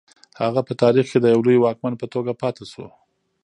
هغه په تاریخ کې د یو لوی واکمن په توګه پاتې شو.